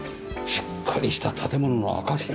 しっかりした建物の証し。